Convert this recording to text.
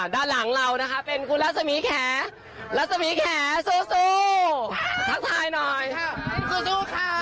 ด้านหลังเรานะคะเป็นคุณรัศมีแขรัศมีแขสู้ทักทายหน่อยค่ะสู้ค่ะ